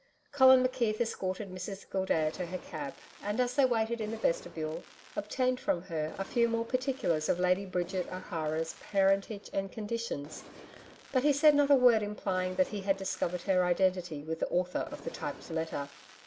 Colin McKeith escorted Mrs Gildea to her cab and as they waited in the vestibule, obtained from her a few more particulars of Lady Bridget O'Hara's parentage and conditions. But he said not a word implying that he had discovered her identity with the author of the typed letter.